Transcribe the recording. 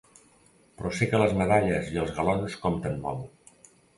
Però sé que les medalles i els galons compten molt.